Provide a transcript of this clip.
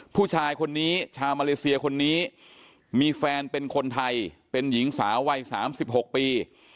ผู้ชายคนนี้ชาวมาเลเซียคนนี้มีแฟนเป็นคนไทยเป็นหญิงสาววัย๓๖ปี